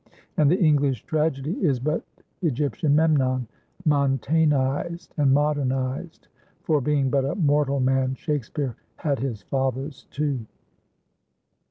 And the English Tragedy is but Egyptian Memnon, Montaignized and modernized; for being but a mortal man Shakspeare had his fathers too.